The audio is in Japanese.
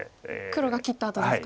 黒が切ったあとですか。